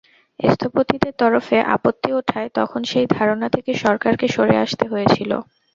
স্থপতিদের তরফে আপত্তি ওঠায় তখন সেই ধারণা থেকে সরকারকে সরে আসতে হয়েছিল।